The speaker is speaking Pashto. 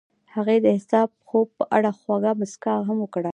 هغې د حساس خوب په اړه خوږه موسکا هم وکړه.